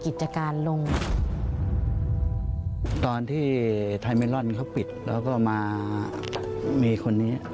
กิจการลงตอนที่ไทยเมลอนเขาปิดแล้วก็มามีคนนี้